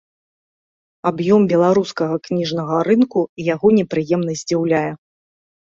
Аб'ём беларускага кніжнага рынку яго непрыемна здзіўляе.